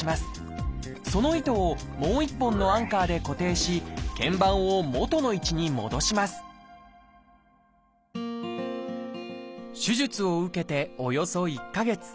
その糸をもう一本のアンカーで固定し腱板をもとの位置に戻します手術を受けておよそ１か月。